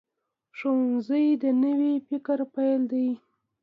ښوونځی د نوي فکر پیل دی